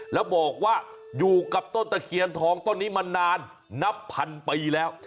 แล้วบอกว่าอยู่กับต้นตะเคียนทองต้นนี้มานานนับพันปีแล้ว